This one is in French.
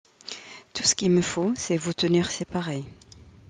Tout ce qu’il me faut, c’est vous tenir séparés.